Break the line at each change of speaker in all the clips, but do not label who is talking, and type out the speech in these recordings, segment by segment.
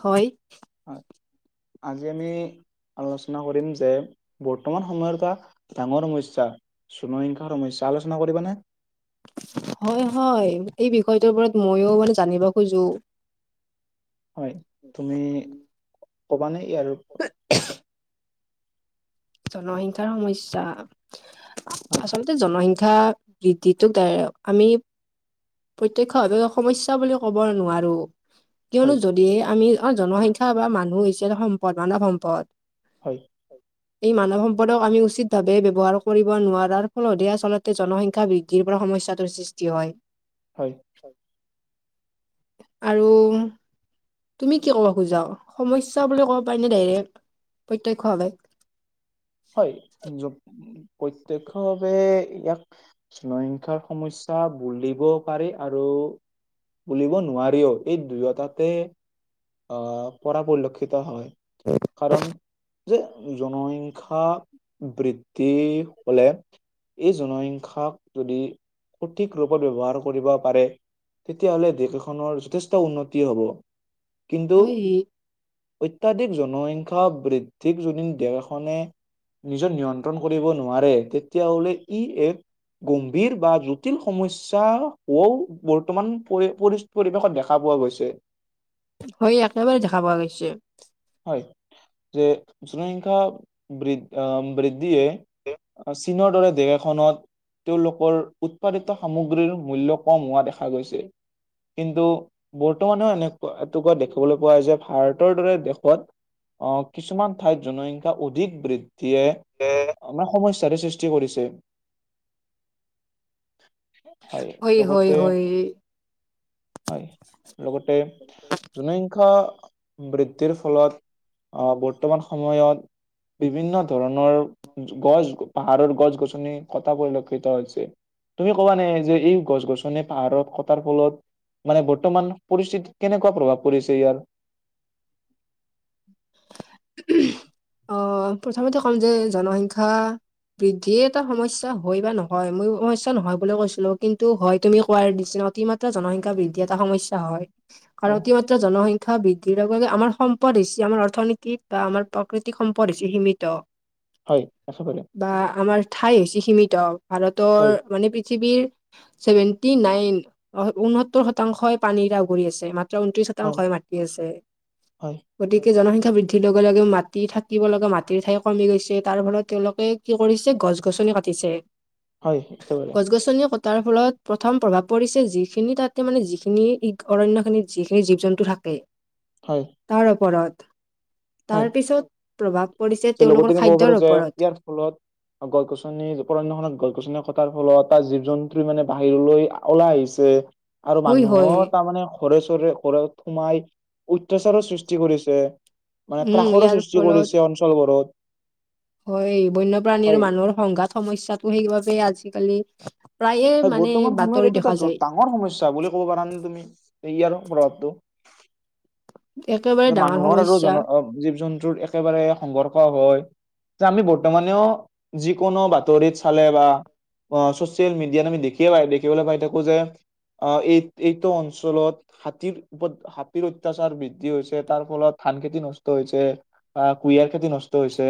হয়,
আলোচনা কৰিম যে, বৰ্তমান সময়ৰ এটা ডাঙৰ সমস্যা জনসংখ্যাৰ সমস্যা। আলোচনা কৰিবানে?
হয় হয়, এই বিষয়টোৰ ওপৰত ময়ো [unintelligible] জানিব খোজো।
হয়, তুমি ক'বা নে [unintelligible]
[unintelligible] জনসংখ্যাৰ সমস্যা,
হয়
আচলতে জনসংখ্যা [unintelligible] আমি প্ৰত্যক্ষ ভাৱে সমস্যা বুলি ক'ব নোৱাৰো। কিয়নো
হয়
যদিহে আমি, অ জনসংখ্যা বা মানুহ হৈছে এটা সম্পদ মানৱ সম্পদ।
হয়
এই মানৱ সম্পদক আমি উচিত ভাৱে ব ব্যৱহাৰ কৰিব নোৱাৰাৰ ফলতহে আচলতে জনসংখ্যা [unintelligible] [unintelligible] সমস্যাটোৰ সৃষ্টি হয়।
হয়
আৰু তুমি কি ক'ব খোজা? সমস্যা বুলি ক'ব পাৰি নে ডাইৰেক্ট প্ৰত্যক্ষভাৱে?
হয় প্ৰত্ক্ষভাৱে ভাৱে ইয়াক জনসংখ্যাৰ সমস্যা বুলিবও পাৰি আৰু বুলিব নোৱাৰিও। এই দুয়োটাতে আহ পৰা পৰিলক্ষিত হয়। কাৰণ যে জনসং‌ ক্ষা বৃদ্ধি হলে, এই জনসংখ্যাক যদি সঠিক ৰূপত ব্যৱহাৰ কৰিব পাৰে, তেতিয়া হ'লে দেশ এখনৰ যথেষ্ট উন্নতি হব। কিন্তু
হয়,
অত্যাধিক জনসংখ্যা বৃদ্ধিক যদি দেশখনে নিজৰ নিয়ন্ত্ৰণ কৰিব নোৱাৰে, তেতিয়া হ'লে ই এক গম্ভীৰ বা জটিল সমস্যা হোৱাও বৰ্তমান [unintelligible] পৰিৱেশত দেখা পোৱা গৈছে।
হয় একেবাৰে দেখা পোৱা গৈছে।
হয় যে, জনসংখ্যা [unintelligible] বৃদ্ধিয়ে চীনৰ দৰে দেশ এখনত, তেওঁলোকৰ উৎপাদিত সামগ্ৰীৰ মূল্য কম হোৱা দেখা গৈছে। কিন্তু বৰ্তমানেও এনেকুৱা [unintelligible] দেখিবলৈ পোৱা [unintelligible] যে ভাৰতৰ দৰে [unintelligible] অহ, কিছুমান ঠাইত জনসংখ্যা অধিক বৃদ্ধিয়ে
[unintelligible]
আমাৰ সমস্যাৰে সৃষ্টি কৰিছে। হয়
হয়,
লগতে,
হয়।
হয় লগতে জনসংখ্যা বৃ [unintelligible] ফলত, আহ বৰ্তমান সময়ত বিভিন্ন ধৰণৰ গছ, পাহাৰৰ গছ গছনি কথা পৰিলক্ষিত হৈছে। তুমি ক'বানে যে এই গছ গছনি পাহাৰত কটাৰ ফলত, মানে বৰ্তমান পৰিস্থিতিত কেনেকুৱা প্ৰভাৱ পৰিছে ইয়াৰ? [unintelligible]
অ, প্ৰথমতে ক'ম যে জনসংখ্যা বৃদ্ধিয় এটা সমস্যা হয় বা নহয় মই সমস্যা নহয় বুলি কৈছিলো কিন্তু হয় তুমি কোৱাৰ নিচিনা অতিমাত্ৰ জনসংখ্যা বৃদ্ধি এটা সমস্যা হয়।
হয়
[unintelligible] জনসংখ্যা বৃদ্ধিৰ লগে লগে আমাৰ সম্পদ হৈছে আমাৰ অৰ্থনীতিত বা আমাৰ [unintelligible] সম্পদ হৈছে সীমিত।
হয়, [unintelligible]
বা আমাৰ ঠাই হৈছে সীমিত ভাৰতৰ
হয়
মানে পৃথিৱীৰ ছেভেন্টি নাইন ঊনসত্তৰ শতাংশই পানীৰেগৰি আছে ম ঊনত্ৰিশ
হয়
শতাংশ মাটি আছে
হয়,
গতিকে জনসংখ্যা বৃদ্ধিৰ লগে লগেও মাত [unintelligible] থাকিব লগা মাটিৰ ঠাই কমি গৈছে তাৰ ফলত তেওঁলোকে কি কৰিছে গছ গছনি কাটিছে।
হয়, একেবাৰে
গছ গছনিয় ক তাৰ ফলত প্ৰথম প্ৰভাৱ পঢ়িছে যিখিনি তাতে মানে যিখিনি ই অৰণ্যখিনিত যিখিনি জীৱ জন্তু থাকে। [inaudible]
হয়।
তাৰ ওপৰত
হয়,
তাৰ পিছত প্ৰভাৱ পঢ়িছে
যে লগতে
তেওঁলোকৰ
আমি ক'ব পাৰো
খাদ্যৰ
যে
ওপৰত।
[unintelligible] গছ গছনি উপণ্যখনত গছ গছনি ফলত তাৰ জীৱ জন্তু বাহিৰলৈ ওলাই আহিছে। আৰু
হয় হয়
মানুহৰ তাৰমানে ঘৰে চৰে ঘৰত সোমাই অত্যাচাৰো সৃষ্টি কৰিছে। মানে
উম
ত্ৰাসৰো
ইয়াৰ
সৃষ্টি
ফলত
কৰিছে অঞ্চলবোৰত।
হয় বন্যপ্ৰাণী আৰু
হয়,
মানুহৰ সংঘাত সমস্যাটো সেইবাবেই আজিকালি প্ৰায়ে
হয়
মানে
বৰ্তমান সময়ত
বাতৰি
এইটো এটা
দেখা
জ-
যায়।
ডাঙৰ সমস্যা বুলি ক'ব পাৰা নে তুমি সে আৰু প্ৰভাৱটো।
একেবাৰে ডাঙৰ
মানুহৰ আৰু
সমস্যা
জন জীৱ জন্তুৰ একেবাৰে সংঘৰ্ষ হয়। যে আমি বৰ্তমানেও যিকোনো বাতৰিত চালে বা অ' ছচিয়েল মিডিয়াত আমি দেখিয়ে পাই দেখিবলৈ পাই থাকো যে অ' এই এইটো অঞ্চলত হাতীৰ হাতীৰ অত্যাচাৰ বৃ কি হৈছে তাৰ ফলত ধান খেতি নষ্ট হৈছে বা কুঁৰিয়াৰ খেতি নষ্ট হৈছে।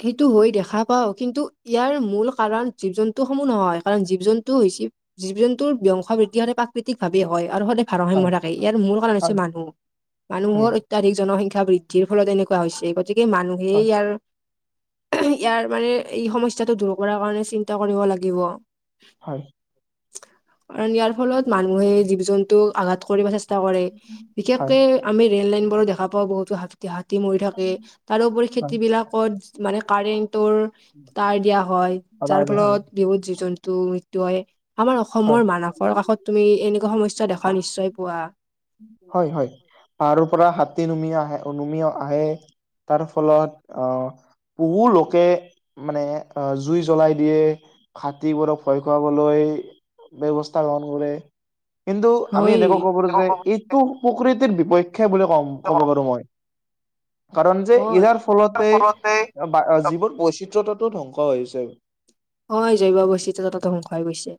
সেইটো হৈ দেখা পাও কিন্তু ইয়াৰ মূল কাৰণ জীৱ জন্তু সমূহ নহয় কাৰণ জীৱ জন্তু হৈছে জীৱ জন্তুৰ ব্যংশা বৃদ্ধি হ'লে প্ৰাকৃতিক ভাৱে হয় আৰু সদ ভাৰসাম্য
হয়
থাকে ইয়াৰ মূল কাৰণ হৈছে
হয়
মানুহ
হয়
মানুহৰ অত্যাধিক জনসংখ্যা বৃদ্ধিৰ ফলত এনেকুৱা হৈছে গতিকে মানুহে
হয়
ইয়াৰ ইয়াৰ মানে এই সমস্যাটো দূৰ কৰাৰ কাৰণে চিন্তা কৰিব লাগিব।
হয়,
ইয়াৰ ফলত মানুহে জীৱ জন্তুক আঘাত কৰিব চা [unintelligible] কৰে
হয়
বিশেষকে আমি ৰেল লাইন বোৰো দেখা পাও বহুতো [unintelligible] তেয়া হাতী মৰি থাকে তাৰোপৰি খেতি বিলাকত মানে কাৰেণ্টৰ তাৰ দিয়া হয় যাৰ
হয় হয়
ফলত বিহুত জীৱ জন্তু মৃত্যু হয়। আমাৰ
হয়
অসমৰ মানসৰ কাষত তুমি এনেকুৱা সমস্যা দেখা নিশ্চয় পোৱা।
হয়, হয়। তাৰ পৰা হাতী নুমি আহে নুমি আহে। তাৰ ফলত আহ বহু লোকে মানে জুই জ্বলাই দিয়ে। হাতীবোৰক ভয় খুৱাবলৈ ব্যৱস্থা গ্ৰহণ কৰে কিন্তু আমি
হয়
এনেকুৱা কব পাৰো যে ই প্ৰকৃতিৰ বিপক্ষে বুলে ক'ব পাৰো মই। কাৰণ যে
হয়
ইয়াৰ ফলতে [unintelligible] যিৱোৰ বৈচিত্ৰয়তাতো ধ্বংস হৈছে।
হয় জয়ৱা বৱশতি তা ততে ধ্বংসুৱ হৈ গৈছে।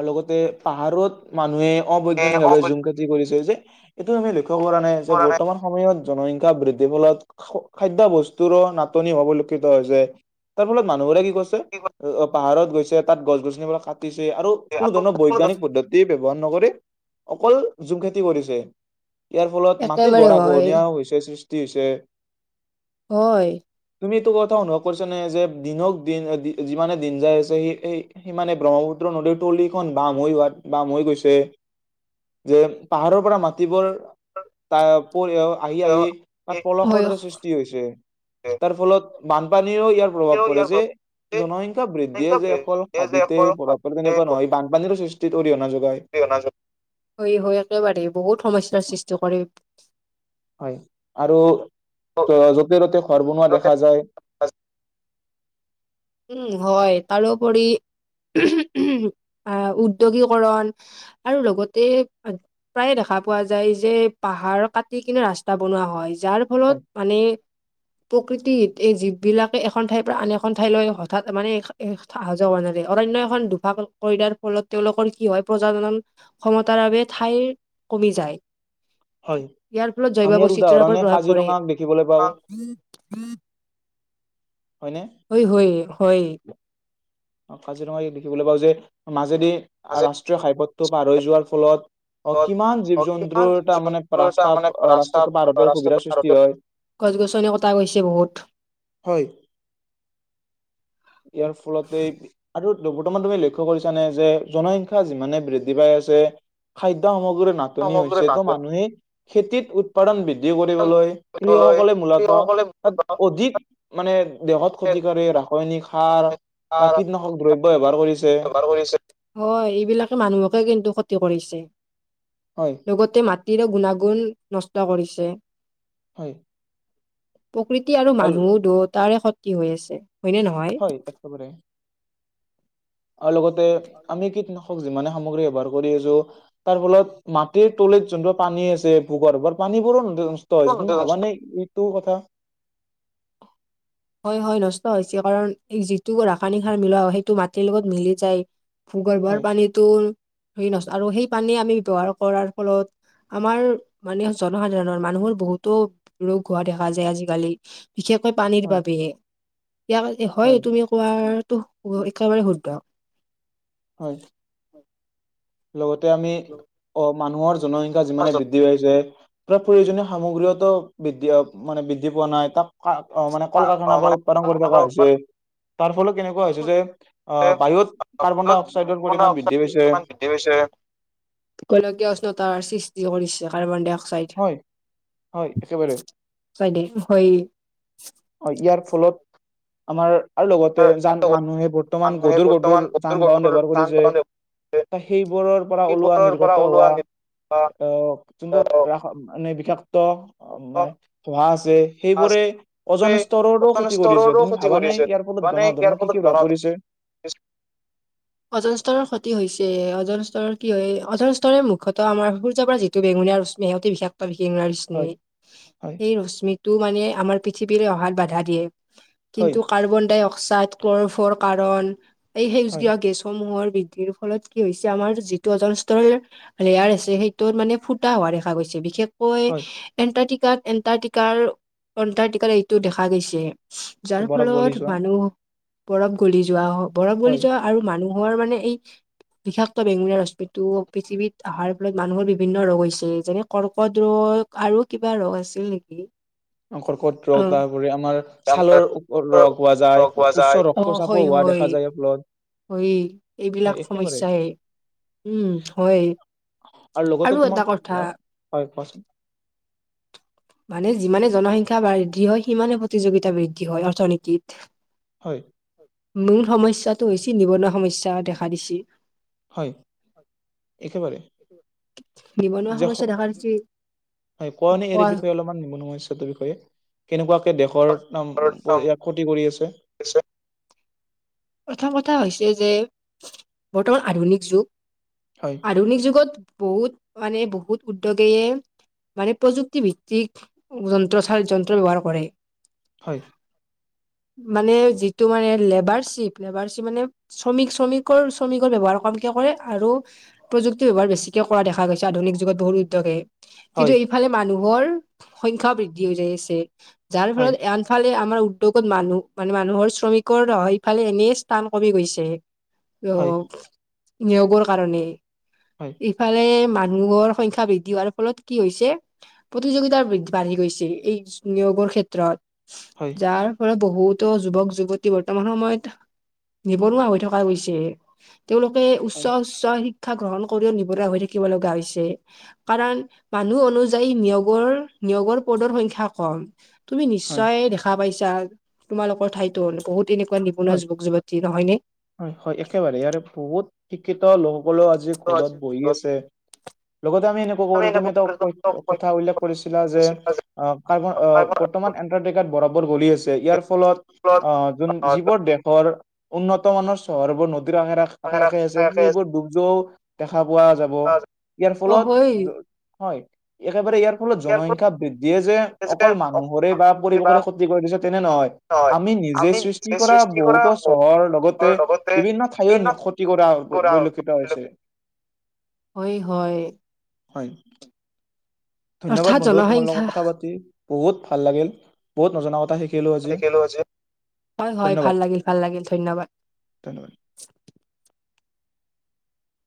আৰু লগতে পাহাৰত মানুহে অবৈজ্ঞানিকভাৱে জুম কৰিছে যে এইটো আমি লক্ষ্য কৰা নাই যে বৰ্তমান সময়ত জনসংখ্যা বৃদ্ধিৰ ফলত খাদ্যয় বস্তুৰো নাটনি হ পৰিলক্ষিত হৈছে। তাৰ ফলত মানুহবোৰে কি কইছে।
[unintelligible]
অ পাহাৰত গৈছে তাত গছ গছনি বোৰ কাটিছে আৰু কোনো ধৰণৰ বৈজ্ঞানিক পদ্ধতি ব্যৱহাৰ নকৰি অকল ঝুম খেতি কৰিছে ইয়াৰ ফলত মাটিৰ
একেবাৰে
গড়া
হয়
খহনীয়া হৈছে সৃষ্টি হৈছে
হয়
তুমি এইটো কথা অনুভৱ কৰিছা নে যে দিনক দিন যিমানে দিন যাই আছে সি সেই সিমানে ব্ৰহ্মপুত্ৰ নদীৰ তলিখন বাম হৈ যোৱাত বাম হৈ গৈছে যে পাহাৰৰ পৰা মাটি বোৰ টা ওপৰি আহি আহি তাত পলসৰ
হয়।
দৰে সৃষ্টি হৈছে তাৰ ফলত বানপানীও ইয়াৰ প্ৰভাৱ পৰে যে জনসংখ্যা বৃদ্ধিয়ে যে অকল
ইয়াৰ যে
হাবিতে
অকল
প্ৰভাৱ পৰে তেনে বানপানীৰো সৃষ্টিত অৰিহনা যোগায়
হয় হয় একেবাৰে বহুত সমস্যাৰ সৃষ্টি কৰে
হয় আৰু যতে ত'তে ঘৰ বনোৱা দেখা যায়
উম হয় তাৰ ওপৰি উদ্যোগীকৰণ আৰু লগতে প্ৰায়ে দেখা পোৱা যায় যে পাহাৰ কাটি কিনে ৰাস্তা বনোৱা হয় যাৰ ফলত মানে প্ৰকৃতিত এই জীৱ বিলাকে এখন ঠাইৰ পৰা আন এখন ঠাইলৈ হঠাৎ মানে অহা যোৱা হোৱা নাৰে অৰণ্যয় এখন দোভাফা কৰিলাৰ ফলত তেওঁলোকৰ কি হয় প্ৰজাজনন ক্ষমতাৰ বাবে ঠাই কমি যায় ইয়াৰ ফলত জৈৱ
আমি ইয়াৰ
বৈচিত্ৰৰ
উদাহৰণে
ওপৰত প্ৰভাৱ
কাজিৰঙাক দেখিবলৈ পাওঁ
পৰে [unintelligible]
হয়নে
হয় হয় হয়
কাজিৰঙা দেখিবলৈ পাওঁ যে মাজেদি
মাজুলী
ৰাষ্ট্ৰীয় ঘাইপথটো পাৰ হৈ যোৱাৰ ফলত অ কিমান জীৱ
কিমান
জন্তুৰ
জীৱ
তাৰ মানে
জন্তুৰ এটা
ৰাস্তা
মানে ৰাস্তা
ৰাস্তাটো পাৰ হঁওতে
ৰাস্তা পথ
অসুবিধাৰ সৃষ্টি হয়
গছ গছনি কটা গৈছে বহুত
হয় ইয়াৰ ফলতে আৰু বৰ্তমান তুমি লক্ষ্য কৰিছা নে যে জনসংখ্যা যিমানে বৃদ্ধি পাই আছে খাদ্যয় সামগ্ৰীৰে না নাটনি
সামগ্ৰী
হৈছে ত
নাটনি
মানুহে খেতিত উৎপাদান বৃদ্ধি কৰিবলৈ
কৰিবলৈ
কৃষকসকলে মূলত
কৃষকসকলে
তাত অধিক মানে দেহত ক্ষতিকাৰী ৰাসায়নিক সাৰ বা কীটনাশক
তাৰ
দ্ৰব্য ব্যৱহাৰ কৰিছে
ব্যৱহাৰ কৰিছে হয় এইবিলাকে মানুহকে কিন্তু ক্ষতি কৰিছে
হয়
লগতে মাটিৰো গুণাগুণ নষ্ট কৰিছে
হয়
প্ৰকৃতি আৰু মানুহ দুয়টাৰে ক্ষতি হৈ আছে হয়নে নহয়
হয় একে বাৰে আৰু লগতে আমি কিটনাশক যিমানে সামগ্ৰী ব্যৱহাৰ কৰি আছোঁ তাৰ ফলত মাটিৰ তলিত যোনটো পানী আছে ভূ গৰ্ভত পানীবোৰো [unintelligible] এইটো কথা।
হয় হয় নষ্ট হৈছে কাৰণ এই যিটো ৰাসায়নিক সাৰ মিলোৱা সেইটো মাটিৰ লগত যায়।
হয়,
ভূগৰ্ভৰ পানীতো ন আৰু সেই পানী আমি ব্যৱহাৰ কৰাৰ ফলত আমাৰ মানে জনসাধাৰণৰ মানুহৰ বহুতো ৰোগ দেখা যায় আজিকালি। বিশেষকৈ পানীৰ
হয়,
বাবেয়ে ইয়াক হয় তুমি কোৱাতো একেবাৰে শুদ্ধ।
হয়। লগতে আমি অ মানুহৰ জনসংখ্যা যিমানে বৃদ্ধি পাইছে প্ৰ প্ৰয়োজনীয় সামগ্ৰীওতো বৃদ্ধি মানে বৃদ্ধি পোৱা নাই তাক অ মানে কল কাৰখানাৰ পৰা উৎপাদন কৰি থকা হৈছে। তাৰ ফলত কেনেকুৱা হৈছে যে
কিমান
আহ বায়ুত কাৰ্বন ডাই অক্সাইডৰ পৰিমাণ বৃদ্ধি পাইছে।
গোলকীয় উষ্ণতাৰ সৃষ্টি কৰিছে কাৰ্বন ডাই অক্সাইড।
হয় হয় একেবাৰে
অক্সাইডে হয়।
হয়, ইয়াৰ ফলত আমাৰ আৰু লগতে যান মানুহে বৰ্তমান
মানুহে
গধুৰ গধুৰ
বৰ্তমান
যান বাহন
গধুৰ
ব্যৱহাৰ কৰি
যান
আছে।
বাহন
ত' সেইবোৰৰ পৰা ওলোৱা
সেইবোৰৰ পৰা
নিৰ্গত হোৱা
ওলোৱা
অহ যোনবোৰ হ মানে বিষাক্ত মানে ধূৱা আছে সেইবোৰে অজন স্তৰৰো
অজন
ক্ষতি কৰি আছে
স্তৰৰো
তুমি
ক্ষতি
ভাবা নে
কৰিছে
ইয়াৰ ফলত
মানে ইয়াৰ
জনসাধাৰণৰ কি
ফলত
কি
জন
প্ৰভাৱ পৰি আছে।
[inaudible] অজন স্তৰৰ ক্ষতি হৈছে অজন স্তৰৰ কি হয় অজন স্তৰে মূখ্যতো আমাৰ সূৰ্যৰ পৰা যি টো বেঙুনীয়া ৰশ্মি অতি বিষাক্ত বিশেষ
হয়, হয়।
এই ৰশ্মিটো মানে আমাৰ পৃথিৱীৰে অহাত বাধা দিয়ে
হয়
কিন্তু কাৰ্বন ডাই অ ক্সাইড ক্ল'ৰ'ফ্ল'ৰ' কাৰণ এই
হয়
সেউজীয়া গেছ সমূহৰ বৃদ্ধিৰ ফলত কি হৈছে আমাৰ যিটো অজন স্তৰৰ লেয়াৰ আছে সেইটো মানে ফুটা হোৱা দেখা গৈছে বিশেষ কৈ
হয়
এণ্টাৰ্টিকাত এণ্টাৰ্টিকাৰ এণ্টাৰ্টিকাৰ এইটো দেখা গৈছে যাৰ
বৰক বলি
ফলত
যোৱা
মানুহ বৰফ গলি যোৱা বৰফ
হয়
গলি যোৱা আৰু মানুহৰ মানে এই বিষাক্ত বেঙুনীয়া ৰশ্মিটো পৃথিৱীত অহাৰ ফলত মানুহৰ বিভিন্ন ৰোগ হৈছে যেনে কৰ্কট ৰোগ আৰু কিবা ৰোগ আছিল নেকি?
অ কৰ্কট ৰোগ
অ
তাৰপৰি আমাৰ
আমাৰ
ছালৰ ৰোগ হোৱা যায়
লগ পোৱা যায়।
উচ্চ
অ হয়
ৰক্তচাপো হোৱা
হয়
দেখা যায় [unintelligible]
হয়,
হয়
এইবিলাক
একেবাৰে
সমস্যাই উম হয়।
আৰু লগতে
এটা
তোমাক
কথা
হয় কোৱাচোন
মানে যিমানে জনসংখ্যা বৃদ্ধি হয় সিমানে প্ৰতিযোগিতা বৃদ্ধি হয় অৰ্থনীতিত।
হয়।
মূল সমস্যাটো হৈছে নিবনুৱা সমস্যা দেখা দিছে।
হয়, একেবাৰে।
নিবনুৱা
যে
সমস্যা দেখা
স-
দিছে।
হয়, কওঁ নে ইয়াৰে
কোৱা
বিষয়ে অলপমান নিবনুৱা সমস্যাটোৰ বিষয়ে। কেনেকুৱাকে দেশৰ অম ইয়াক ক্ষতি কৰি আছে।
প্ৰথম কথা হৈছে যে বৰ্তমান আধুনিক যুগ
হয়
আধুনিক যুগত বহুত মানে বহুত উদ্যোগেয়ে মানে প্ৰযুক্তি ভিত্তিক যন্ত্ৰ চাৰ যন্ত্ৰ ব্যৱহাৰ কৰে।
হয়।
মানে যিটো মানে লেবাৰশ্বিপ লেবাৰশ্বিপ মানে শ্ৰমিক-শ্ৰমিকৰ-শ্ৰমিকৰ ব্যৱহাৰ কমকে কৰে আৰু প্ৰযুক্তিৰ ব্যৱহাৰ বেছিকে কৰা দেখা গৈছে আধুনিক যুগত বহুত উদ্যোগে। কিন্তু
হয়,
এইফালে মানুহৰ সংখ্যাও বৃদ্ধি হৈ যাই আছে যাৰ
হয়,
ফলত [unintelligible] এইফালে আমাৰ উদ্যোগত মানুহ মানে মানুহৰ শ্ৰমিকৰ নহয় ইফালে এনে স্থান কমি গৈছে।
হয়,
[unintelligible] নিয়োগৰ কাৰণে
হয়,
ইফালে মা নুহৰ সংখ্যা বৃদ্ধি হোৱাৰ ফলত কি হৈছে প্ৰতিযোগিতা বৃদ্ধ বাঢ়ি গৈছে এই নিয়োগৰ
হয়।
ক্ষেত্ৰত। যাৰ ফলত বহুতো যুৱক-যুৱতী বৰ্তমান সময়ত নিবনুৱা হৈ থকা গৈছে তেওঁলোকে উচ্চ, উচ্চ শিক শিক্ষা গ্ৰহণ কৰিও নিবনুৱা হৈ থাকিব লগা হৈছে। কাৰাণ মানুহ অনুযায়ী নিয়োগৰ, নিয়োগৰ পদৰ সংখ্যা কম। তুমি
হয়,
নিশ্চয় দেখা পাইছা তোমালোকৰ ঠাইতো বহুত তেনেকুৱাঁ নিবনুৱা
হয়,
যুৱক-যুৱত এ নহয়নে?
হয়, হয় একেবাৰেই ইয়াৰ বহুত শিক্ষিত লোকসকলেও আজি ঘৰত বহি আছে। লগতে আমি এনে ক'ব পাৰোঁ তুমি এটা [unintelligible] কথা বিলাক কৰিছিলা যে [unintelligible] বৰ্তমান এণ্টাৰ্টিকত বৰফ বোৰ গলি হৈছে ইয়াৰ ফলত অ'যোন এইবোৰ দেশৰ উন্নত মানৰ চহৰবোৰ নদীৰ [unintelligible] আছে সেইবোৰ ডুব যোৱাওঁ দেখা পোৱা যাব ইয়াৰ
অ
ফলত
হয়
হয়, একেবাৰে ইয়াৰ ফলত জনসংখ্যা বৃদ্ধিয়ে যে অকল মানুহৰে বা পৰিৱেশৰে ক্ষতি কৰি দিছে তেনে নহয় আমি নিজে সৃষ্ট টি কৰা বহুতো চহৰ লগতে বিভিন্ন ঠাইয়ো ক্ষতি কৰা পৰিলক্ষিত হৈছে।
হয়, হয়।
হয়। ধন্যবাদ
অৰ্থাৎ
বন্ধু তোমাৰ লগত
জনসংখ্যা
কথা পাতি বহুত ভাল লাগিল। বহুত নজনা কথা শিকি
কিলো আজি হয়, হয় ভাল
ধন্যবাদ
লাগিল, ভাল লাগিল ধন্যবাদ।
ধন্যবাদ।